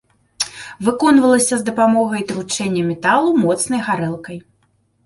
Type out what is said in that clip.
Выконвалася з дапамогай тручэння металу моцнай гарэлкай.